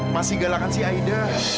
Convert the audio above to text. masih galakan si aida